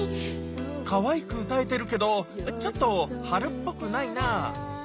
かわいく歌えてるけどちょっと春っぽくないなぁ。